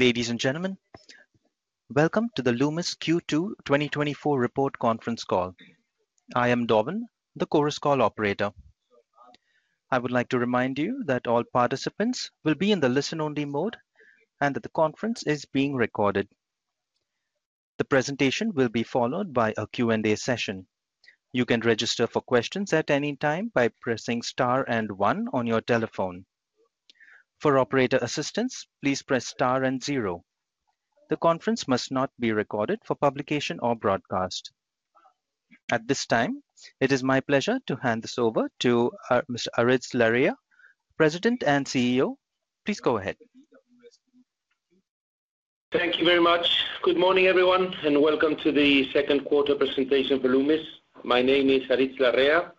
Ladies and gentlemen, welcome to the Loomis Q2 2024 Report Conference Call. I am Dobbin, the Chorus Call operator. I would like to remind you that all participants will be in the listen-only mode and that the conference is being recorded. The presentation will be followed by a Q&A session. You can register for questions at any time by pressing star and one on your telephone. For operator assistance, please press star and zero. The conference must not be recorded for publication or broadcast. At this time, it is my pleasure to hand this over to Mr. Aritz Larrea, President and CEO. Please go ahead. Thank you very much. Good morning, everyone, and welcome to the second quarter presentation for Loomis. My name is Aritz Larrea,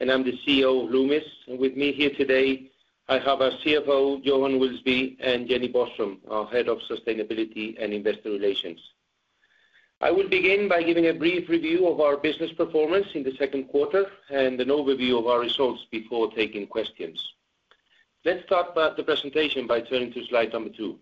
and I'm the CEO of Loomis. With me here today, I have our CFO, Johan Wilsby, and Jenny Boström, our Head of Sustainability and Investor Relations. I will begin by giving a brief review of our business performance in the second quarter and an overview of our results before taking questions. Let's start by the presentation by turning to slide number 2.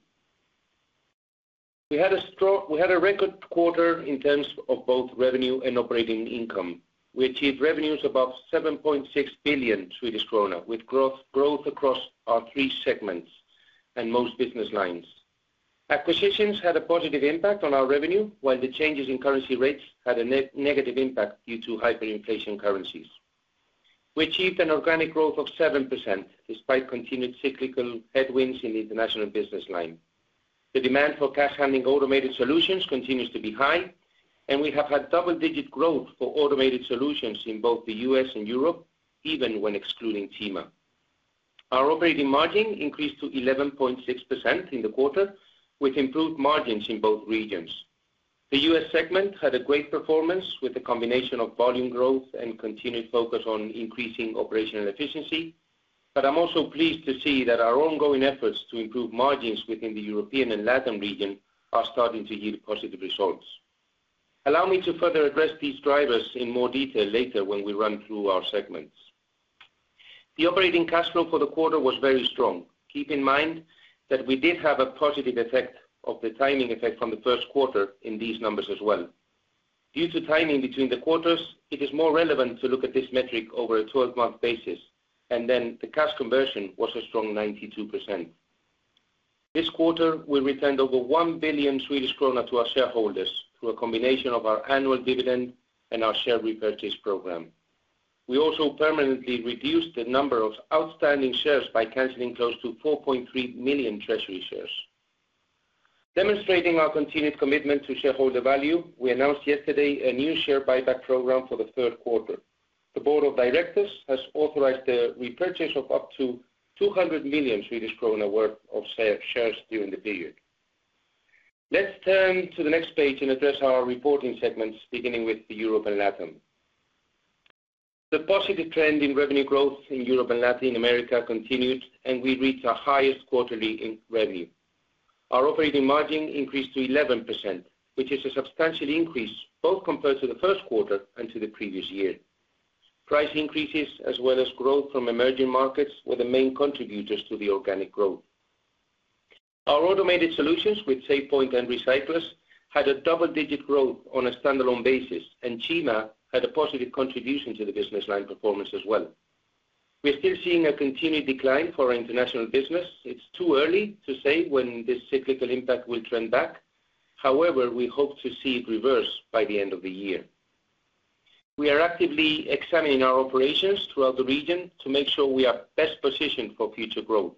We had a record quarter in terms of both revenue and operating income. We achieved revenues above 7.6 billion Swedish krona, with growth across our three segments and most business lines. Acquisitions had a positive impact on our revenue, while the changes in currency rates had a negative impact due to hyperinflation currencies. We achieved an organic growth of 7%, despite continued cyclical headwinds in the international business line. The demand for cash handling Automated Solutions continues to be high, and we have had double-digit growth for Automated Solutions in both the U.S. and Europe, even when excluding CIMA. Our operating margin increased to 11.6% in the quarter, with improved margins in both regions. The U.S. segment had a great performance with a combination of volume growth and continued focus on increasing operational efficiency, but I'm also pleased to see that our ongoing efforts to improve margins within the European and LatAm region are starting to yield positive results. Allow me to further address these drivers in more detail later when we run through our segments. The operating cash flow for the quarter was very strong. Keep in mind that we did have a positive effect of the timing effect from the first quarter in these numbers as well. Due to timing between the quarters, it is more relevant to look at this metric over a twelve-month basis, and then the cash conversion was a strong 92%. This quarter, we returned over 1 billion Swedish krona to our shareholders through a combination of our annual dividend and our share repurchase program. We also permanently reduced the number of outstanding shares by canceling close to 4.3 million treasury shares. Demonstrating our continued commitment to shareholder value, we announced yesterday a new share buyback program for the third quarter. The board of directors has authorized the repurchase of up to 200 million Swedish krona worth of shares during the period. Let's turn to the next page and address our reporting segments, beginning with Europe and LatAm. The positive trend in revenue growth in Europe and Latin America continued, and we reached our highest quarterly revenue. Our operating margin increased to 11%, which is a substantial increase, both compared to the first quarter and to the previous year. Price increases, as well as growth from emerging markets, were the main contributors to the organic growth. Our Automated Solutions with SafePoint and Recyclers had a double-digit growth on a standalone basis, and CIMA had a positive contribution to the business line performance as well. We're still seeing a continued decline for our international business. It's too early to say when this cyclical impact will trend back. However, we hope to see it reverse by the end of the year. We are actively examining our operations throughout the region to make sure we are best positioned for future growth.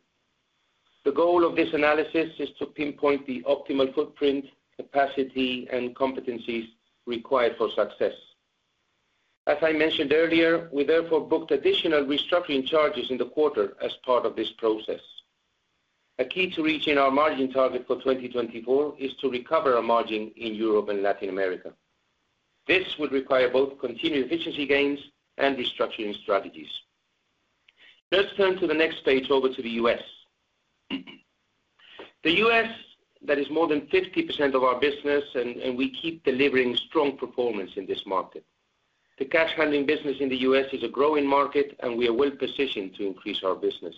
The goal of this analysis is to pinpoint the optimal footprint, capacity, and competencies required for success. As I mentioned earlier, we therefore booked additional restructuring charges in the quarter as part of this process. A key to reaching our margin target for 2024 is to recover our margin in Europe and Latin America. This would require both continued efficiency gains and restructuring strategies. Let's turn to the next page over to the U.S.. The U.S., that is more than 50% of our business, and we keep delivering strong performance in this market. The cash handling business in the U.S. is a growing market, and we are well positioned to increase our business.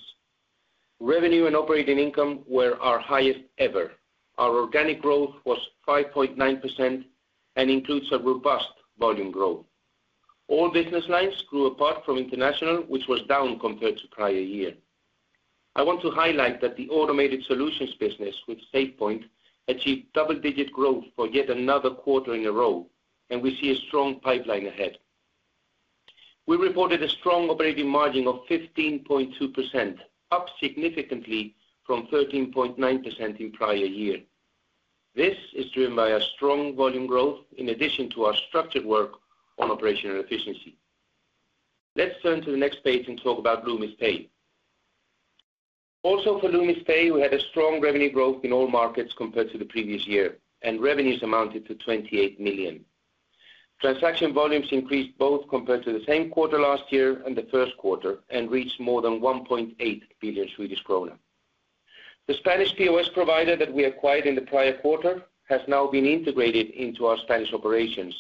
Revenue and operating income were our highest ever. Our organic growth was 5.9% and includes a robust volume growth. All business lines grew apart from international, which was down compared to prior year. I want to highlight that the Automated Solutions business with SafePoint achieved double-digit growth for yet another quarter in a row, and we see a strong pipeline ahead. We reported a strong operating margin of 15.2%, up significantly from 13.9% in prior year. This is driven by a strong volume growth in addition to our structured work on operational efficiency. Let's turn to the next page and talk about Loomis Pay. Also for Loomis Pay, we had a strong revenue growth in all markets compared to the previous year, and revenues amounted to 28 million. Transaction volumes increased both compared to the same quarter last year and the first quarter, and reached more than 1.8 billion Swedish krona. The Spanish POS provider that we acquired in the prior quarter has now been integrated into our Spanish operations.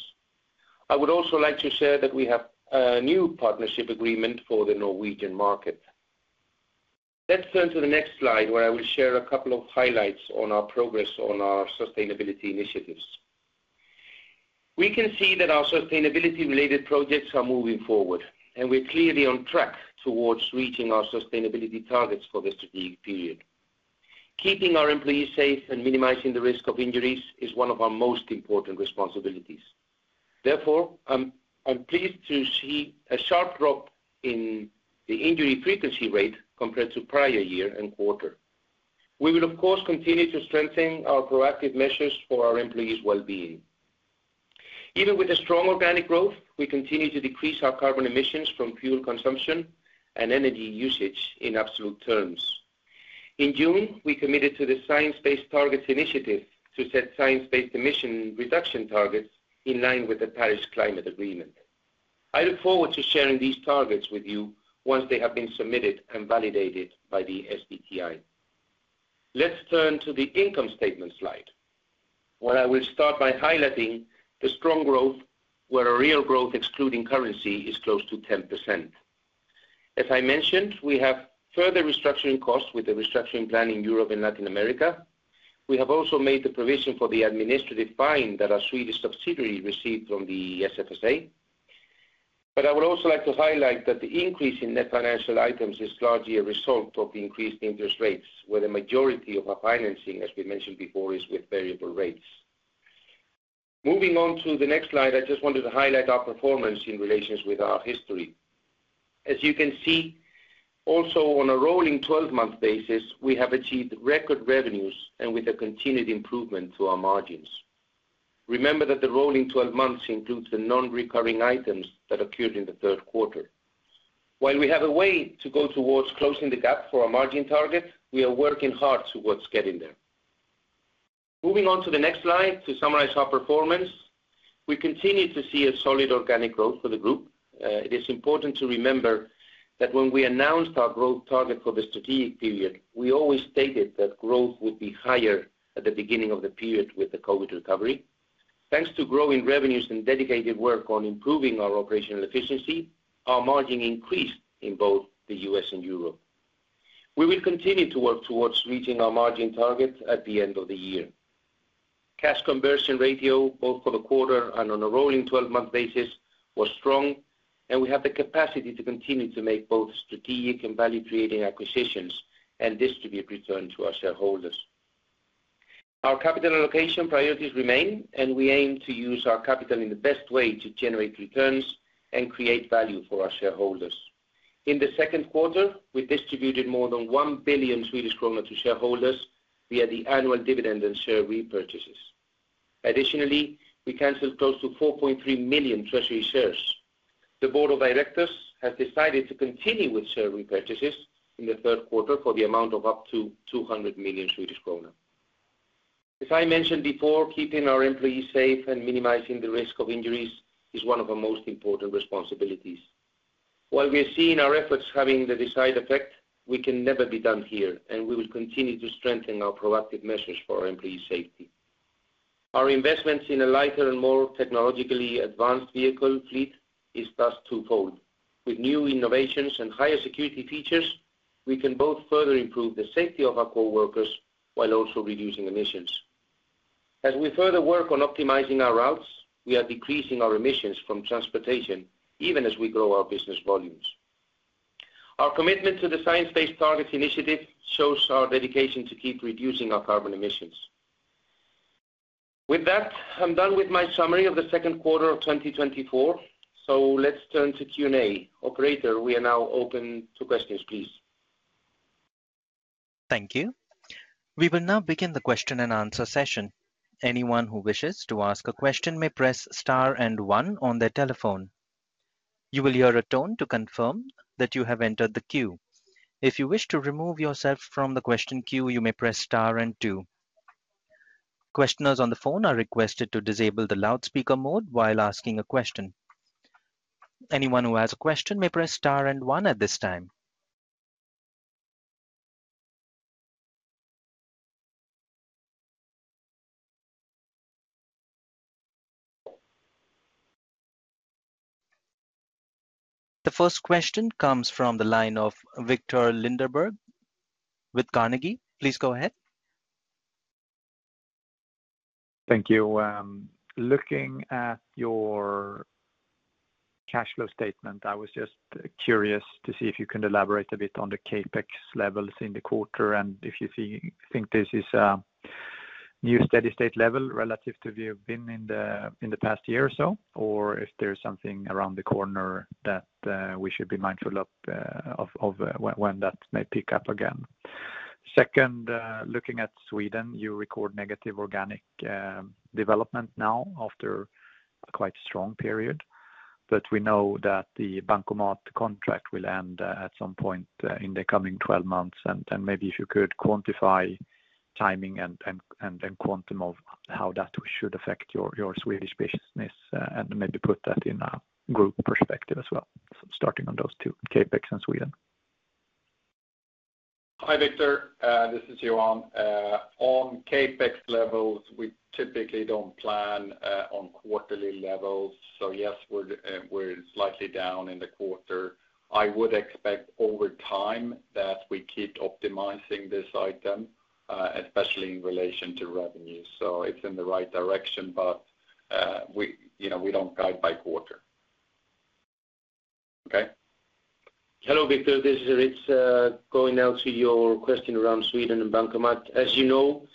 I would also like to share that we have a new partnership agreement for the Norwegian market. Let's turn to the next slide, where I will share a couple of highlights on our progress on our sustainability initiatives. We can see that our sustainability-related projects are moving forward, and we're clearly on track towards reaching our sustainability targets for the strategic period. Keeping our employees safe and minimizing the risk of injuries is one of our most important responsibilities. Therefore, I'm pleased to see a sharp drop in the injury frequency rate compared to prior year and quarter. We will, of course, continue to strengthen our proactive measures for our employees' well-being. Even with the strong organic growth, we continue to decrease our carbon emissions from fuel consumption and energy usage in absolute terms. In June, we committed to the Science Based Targets initiative to set science-based emission reduction targets in line with the Paris Climate Agreement. I look forward to sharing these targets with you once they have been submitted and validated by the SBTi. Let's turn to the income statement slide, where I will start by highlighting the strong growth, where a real growth, excluding currency, is close to 10%. As I mentioned, we have further restructuring costs with the restructuring plan in Europe and Latin America. We have also made the provision for the administrative fine that our Swedish subsidiary received from the SFSA. But I would also like to highlight that the increase in net financial items is largely a result of increased interest rates, where the majority of our financing, as we mentioned before, is with variable rates. Moving on to the next slide, I just wanted to highlight our performance in relation to our history. As you can see, also on a rolling 12-month basis, we have achieved record revenues and with a continued improvement in our margins. Remember that the rolling 12 months includes the non-recurring items that occurred in the third quarter. While we have a way to go towards closing the gap for our margin target, we are working hard towards getting there. Moving on to the next slide, to summarize our performance, we continue to see a solid organic growth for the group. It is important to remember that when we announced our growth target for the strategic period, we always stated that growth would be higher at the beginning of the period with the COVID recovery. Thanks to growing revenues and dedicated work on improving our operational efficiency, our margin increased in both the U.S. and Europe. We will continue to work towards reaching our margin target at the end of the year. Cash conversion ratio, both for the quarter and on a rolling twelve-month basis, was strong, and we have the capacity to continue to make both strategic and value-creating acquisitions and distribute return to our shareholders. Our capital allocation priorities remain, and we aim to use our capital in the best way to generate returns and create value for our shareholders. In the second quarter, we distributed more than 1 billion Swedish kronor to shareholders via the annual dividend and share repurchases. Additionally, we canceled close to 4.3 million treasury shares. The board of directors has decided to continue with share repurchases in the third quarter for the amount of up to 200 million Swedish kronor. As I mentioned before, keeping our employees safe and minimizing the risk of injuries is one of our most important responsibilities. While we are seeing our efforts having the desired effect, we can never be done here, and we will continue to strengthen our proactive measures for our employees' safety. Our investments in a lighter and more technologically advanced vehicle fleet is thus twofold. With new innovations and higher security features, we can both further improve the safety of our coworkers while also reducing emissions. As we further work on optimizing our routes, we are decreasing our emissions from transportation, even as we grow our business volumes. Our commitment to the Science Based Targets initiative shows our dedication to keep reducing our carbon emissions. With that, I'm done with my summary of the second quarter of 2024, so let's turn to Q&A. Operator, we are now open to questions, please. Thank you. We will now begin the question-and-answer session. Anyone who wishes to ask a question may press star and one on their telephone. You will hear a tone to confirm that you have entered the queue. If you wish to remove yourself from the question queue, you may press star and two. Questioners on the phone are requested to disable the loudspeaker mode while asking a question. Anyone who has a question may press star and one at this time. The first question comes from the line of Viktor Lindeberg with Carnegie. Please go ahead. Thank you. Looking at your cash flow statement, I was just curious to see if you could elaborate a bit on the CapEx levels in the quarter and if you see—think this is a new steady state level relative to where you've been in the, in the past year or so, or if there's something around the corner that we should be mindful of when that may pick up again? Second, looking at Sweden, you record negative organic development now after a quite strong period, but we know that the Bankomat contract will end at some point in the coming 12 months. Maybe if you could quantify the timing and the quantum of how that should affect your Swedish business, and maybe put that in a group perspective as well, starting on those two: CapEx and Sweden? Hi, Viktor. This is Johan. On CapEx levels, we typically don't plan on quarterly levels. So yes, we're slightly down in the quarter. I would expect over time that we keep optimizing this item, especially in relation to revenue. So it's in the right direction, but we, you know, we don't guide by quarter. Okay. Hello, Viktor. This is Aritz, going now to your question around Sweden and Bankomat. As you know,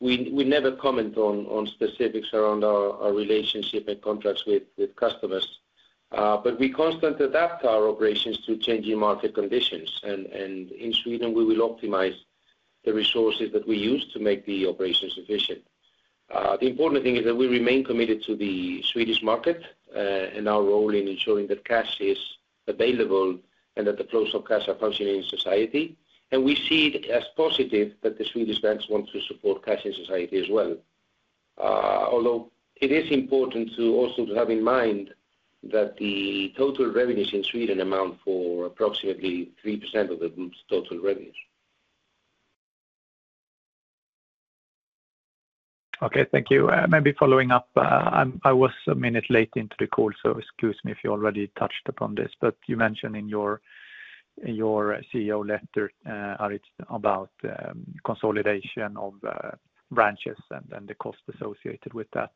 we never comment on specifics around our relationship and contracts with customers. But we constantly adapt our operations to changing market conditions, and in Sweden, we will optimize the resources that we use to make the operations efficient. The important thing is that we remain committed to the Swedish market, and our role in ensuring that cash is available and that the flows of cash are functioning in society. And we see it as positive that the Swedish banks want to support cash in society as well. Although it is important to also have in mind that the total revenues in Sweden amount for approximately 3% of the group's total revenues. Okay, thank you. Maybe following up, I'm- I was a minute late into the call, so excuse me if you already touched upon this, but you mentioned in your, in your CEO letter, Aritz, about, consolidation of, branches and, and the cost associated with that.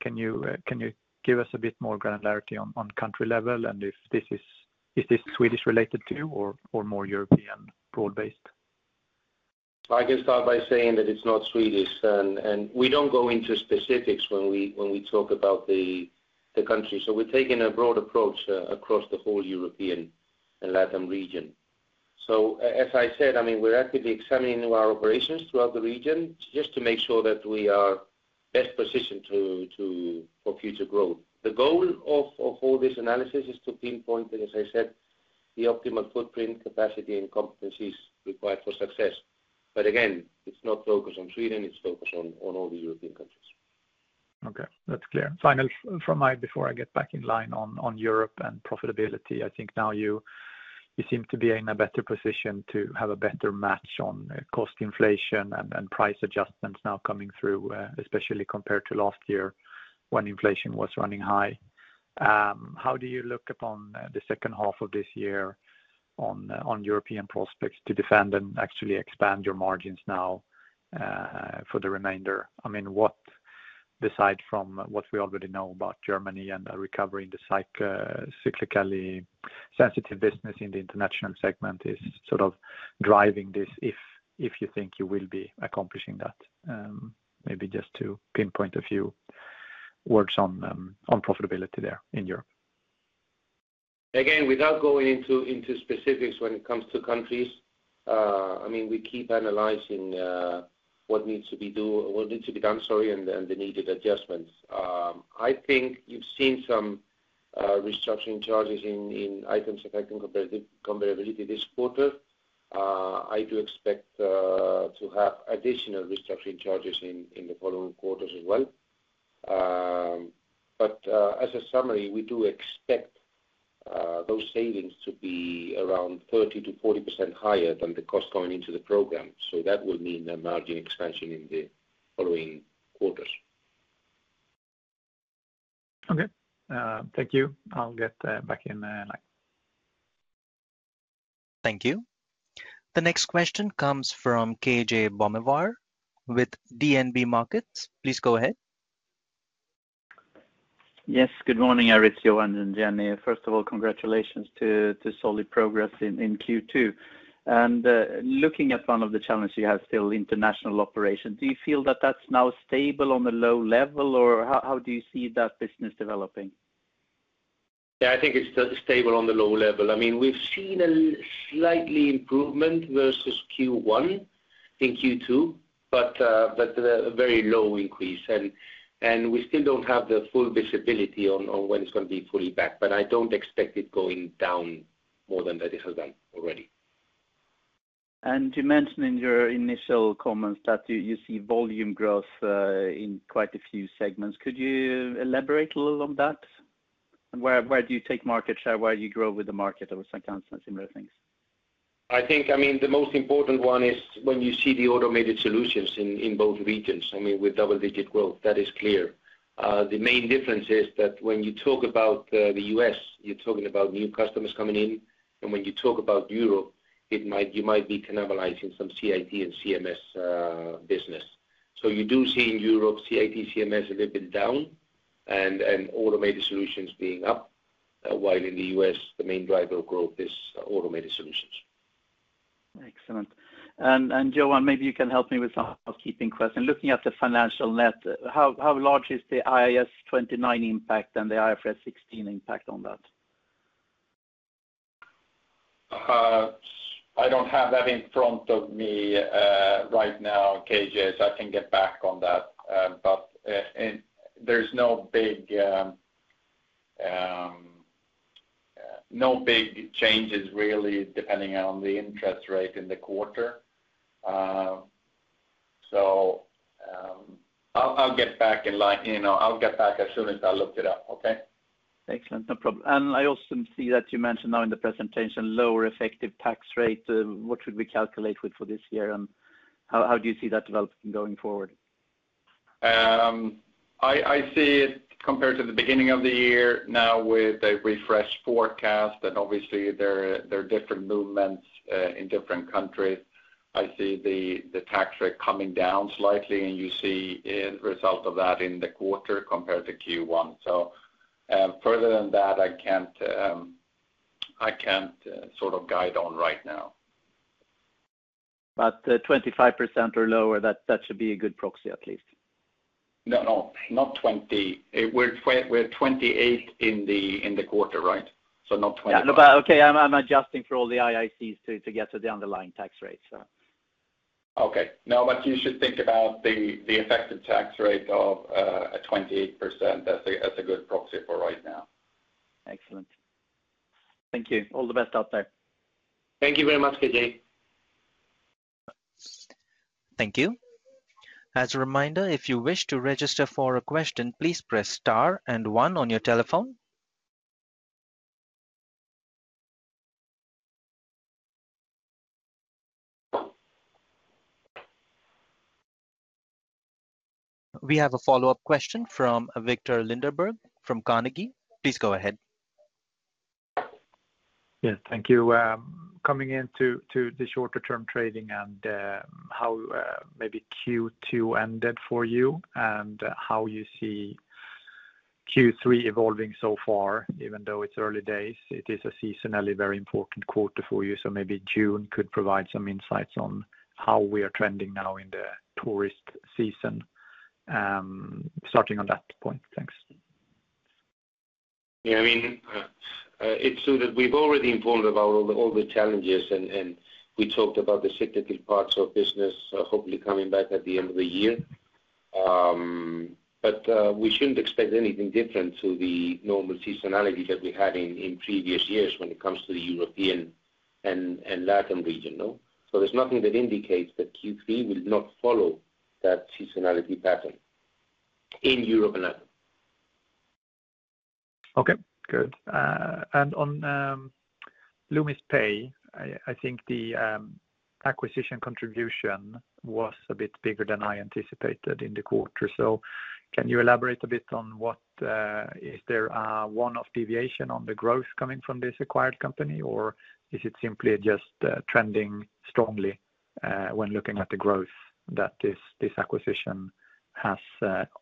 Can you, can you give us a bit more granularity on, on country level? And if this is- is this Swedish related to or, or more European broad-based? I can start by saying that it's not Swedish, and we don't go into specifics when we talk about the country. So we're taking a broad approach across the whole European and Latin region. So as I said, I mean, we're actively examining our operations throughout the region just to make sure that we are best positioned to for future growth. The goal of all this analysis is to pinpoint, as I said, the optimal footprint, capacity, and competencies required for success. But again, it's not focused on Sweden, it's focused on all the European countries. Okay, that's clear. One final from me before I get back in line on Europe and profitability, I think now you seem to be in a better position to have a better match on cost inflation and price adjustments now coming through, especially compared to last year when inflation was running high. How do you look upon the second half of this year on European prospects to defend and actually expand your margins now for the remainder? I mean, what, besides from what we already know about Germany and the recovery in the cycle, cyclically sensitive business in the international segment, is sort of driving this, if you think you will be accomplishing that? Maybe just to pinpoint a few words on profitability there in Europe. Again, without going into specifics when it comes to countries, I mean, we keep analyzing what needs to be done, sorry, and the needed adjustments. I think you've seen some restructuring charges in items affecting comparability this quarter. I do expect to have additional restructuring charges in the following quarters as well. But as a summary, we do expect those savings to be around 30%-40% higher than the cost going into the program, so that will mean a margin expansion in the following quarters. Okay, thank you. I'll get back in line. Thank you. The next question comes from K.J. Bonnevier with DNB Markets. Please go ahead. Yes, good morning, Aritz, Johan, and Jenny. First of all, congratulations to solid progress in Q2. And, looking at one of the challenges you have still, international operations, do you feel that that's now stable on the low level, or how do you see that business developing? Yeah, I think it's still stable on the low level. I mean, we've seen a slight improvement versus Q1 in Q2, but, but a very low increase, and we still don't have the full visibility on when it's gonna be fully back, but I don't expect it going down more than it has done already. You mentioned in your initial comments that you see volume growth in quite a few segments. Could you elaborate a little on that? Where do you take market share, where you grow with the market or some accounts and similar things? I think, I mean, the most important one is when you see the Automated Solutions in both regions, I mean, with double-digit growth, that is clear. The main difference is that when you talk about the U.S., you're talking about new customers coming in, and when you talk about Europe, you might be cannibalizing some CIT and CMS business. So you do see in Europe, CIT, CMS, a little bit down, and Automated Solutions being up. While in the U.S., the main driver of growth is Automated Solutions. Excellent. And Johan, maybe you can help me with some housekeeping question. Looking at the financial net, how large is the IAS 29 impact and the IFRS 16 impact on that? I don't have that in front of me right now, KJ, so I can get back on that. But there's no big changes really, depending on the interest rate in the quarter. So-I'll get back in line. You know, I'll get back as soon as I looked it up, okay? Excellent. No problem. I also see that you mentioned now in the presentation, lower effective tax rate. What should we calculate with for this year, and how, how do you see that developing going forward? I see it compared to the beginning of the year now with a refreshed forecast, and obviously there are different movements in different countries. I see the tax rate coming down slightly, and you see a result of that in the quarter compared to Q1. So, further than that, I can't sort of guide on right now. But, 25% or lower, that, that should be a good proxy, at least. No, no, not 20. We're 28 in the quarter, right? So not 20. No, but okay, I'm adjusting for all the IIC to get to the underlying tax rate, so. Okay. Now, but you should think about the effective tax rate of a 28%. That's a good proxy for right now. Excellent. Thank you. All the best out there. Thank you very much, KJ. Thank you. As a reminder, if you wish to register for a question, please press star and one on your telephone. We have a follow-up question from Viktor Lindeberg from Carnegie. Please go ahead. Yes, thank you. Coming into the shorter term trading and, maybe Q2 ended for you, and how you see Q3 evolving so far, even though it's early days. It is a seasonally very important quarter for you, so maybe June could provide some insights on how we are trending now in the tourist season. Starting on that point. Thanks. Yeah, I mean, it's so that we've already informed about all the, all the challenges and, and we talked about the cyclical parts of business, hopefully coming back at the end of the year. But, we shouldn't expect anything different to the normal seasonality that we had in, in previous years when it comes to the European and, and LatAm region, no? So there's nothing that indicates that Q3 will not follow that seasonality pattern in Europe and LatAm. Okay, good. And on Loomis Pay, I think the acquisition contribution was a bit bigger than I anticipated in the quarter. So can you elaborate a bit on what- is there one-off deviation on the growth coming from this acquired company, or is it simply just trending strongly when looking at the growth that this acquisition has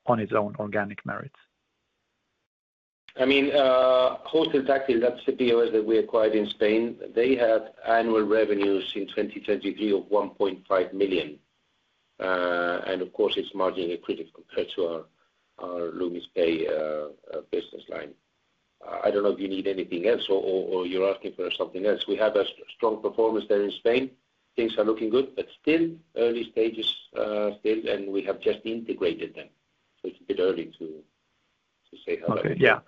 on its own organic merits? I mean, Hosteltáctil, that's the POS that we acquired in Spain. They had annual revenues in 2023 of 1.5 million. Of course, it's marginally critical compared to our Loomis Pay business line. I don't know if you need anything else or you're asking for something else. We have a strong performance there in Spain. Things are looking good, but still early stages, still, and we have just integrated them, so it's a bit early to say how about. Okay, yeah.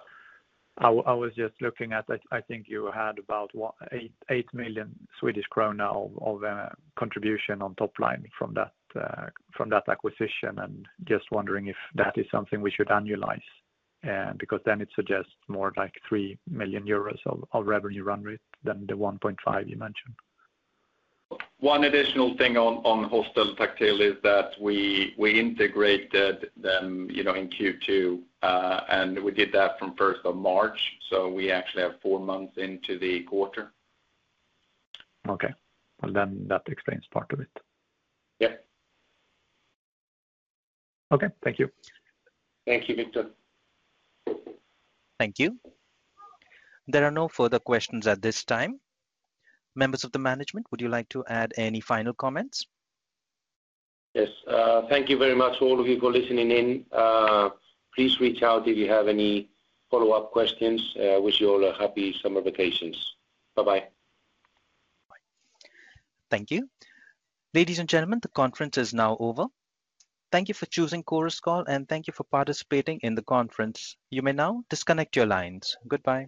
I was just looking at that. I think you had about, what? 8 million Swedish krona of contribution on top line from that acquisition, and just wondering if that is something we should annualize. Because then it suggests more like 3 million euros of revenue run rate than the 1.5 you mentioned. One additional thing on Hosteltáctil is that we integrated them, you know, in Q2, and we did that from first of March, so we actually have four months into the quarter. Okay. Well, then that explains part of it. Yeah. Okay. Thank you. Thank you, Viktor. Thank you. There are no further questions at this time. Members of the management, would you like to add any final comments? Yes. Thank you very much all of you for listening in. Please reach out if you have any follow-up questions. Wish you all a happy summer vacations. Bye-bye. Thank you. Ladies and gentlemen, the conference is now over. Thank you for choosing Chorus Call, and thank you for participating in the conference. You may now disconnect your lines. Goodbye.